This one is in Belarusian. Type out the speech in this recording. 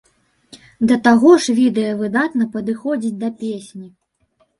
Да таго ж відэа выдатна падыходзіць да песні.